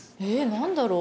何だろう？